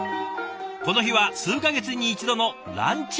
この日は数か月に一度のランチ女子会。